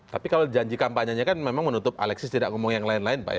tapi kalau janji kampanyenya kan memang menutup alexis tidak ngomong yang lain lain pak ya